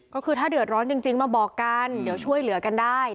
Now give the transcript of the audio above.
ก็คือถ้าเดือดร้อนจริงมาบอกกันเดี๋ยวช่วยเหลือกันได้